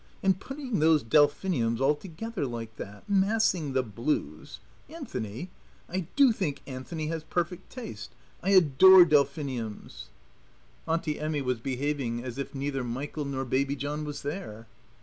"And putting those delphiniums all together like that Massing the blues. Anthony? I do think Anthony has perfect taste. I adore delphiniums." Auntie Emmy was behaving as if neither Michael nor Baby John was there.